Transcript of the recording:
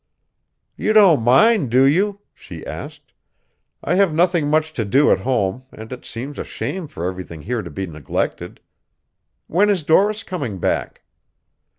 "You don't mind, do you?" she asked. "I have nothing much to do at home, and it seems a shame for everything here to be neglected. When is Doris coming back?"